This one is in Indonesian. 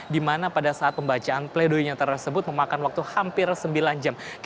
dimana pada saat membacaan pleidoinya tersebut memakan waktu hampir sembilan jam